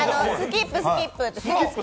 スキップスキップ。